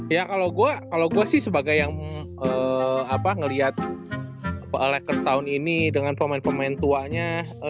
ya kalo gua sih sebagai yang ngeliat lakers tahun ini dengan pemain pemain tuanya